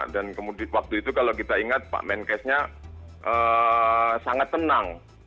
dan waktu itu kalau kita ingat pak menkesnya sangat tenang